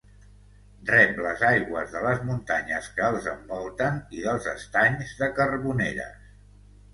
Rep les aigües de les muntanyes que els envolten i dels Estanys de Carboneres.